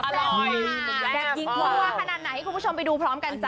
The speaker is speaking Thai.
แบบยิ่งมัวขนาดไหนให้คุณผู้ชมไปดูพร้อมกันจ้